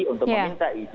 untuk meminta id